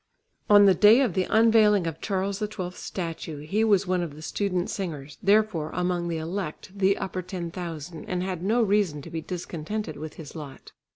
On the day of the unveiling of Charles XII's statue, he was one of the student singers, therefore among the elect, the "upper ten thousand," and had no reason to be discontented with his lot.